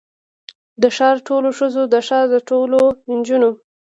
د ښار د ټولو ښځو، د ښار د ټولو نجونو